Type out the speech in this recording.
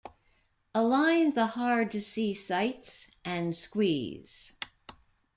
Align the hard to see sights and squeeze.